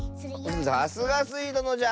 さすがスイどのじゃ。